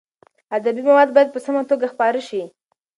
ادبي مواد باید په سمه توګه خپاره شي.